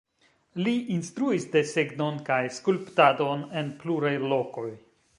Li instruis desegnon kaj skulptadon en pluraj lokoj.